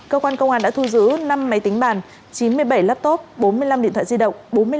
cơ quan công an đã thu giữ năm máy tính bàn chín mươi bảy laptop bốn mươi năm điện thoại di động